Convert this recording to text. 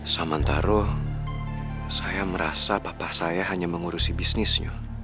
samantaro saya merasa papa saya hanya mengurusi bisnisnya